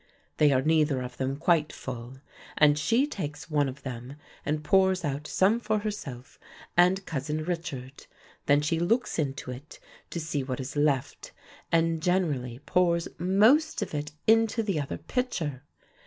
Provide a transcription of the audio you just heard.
They are neither of them quite full, and she takes one of them and pours out some for herself and Cousin Richard, then she looks into it to see what is left and generally pours most of it into the other pitcher.